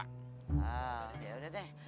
oh yaudah deh